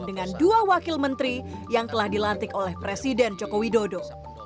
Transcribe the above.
dengan dua wakil menteri yang telah dilantik oleh presiden joko widodo